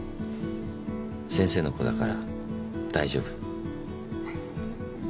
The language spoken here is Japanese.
先生の子だから大丈夫。